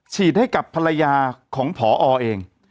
ฉีดให้กับภรรยาของพอเอง